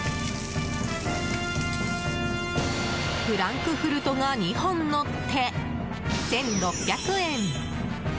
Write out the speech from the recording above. フランクフルトが２本のって１６００円！